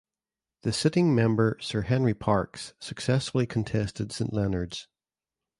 The sitting member Sir Henry Parkes successfully contested St Leonards.